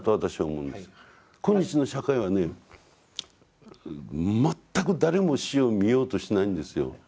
今日の社会はね全く誰も死を見ようとしないんですよ。